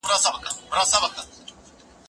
هغه څوک چې کار کوي پرمختګ کوي!.